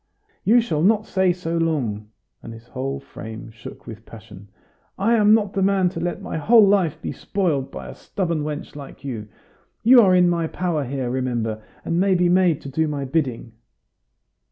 "You shall not say so long!" and his whole frame shook with passion. "I am not the man to let my whole life be spoiled by a stubborn wench like you! You are in my power here, remember, and may be made to do my bidding."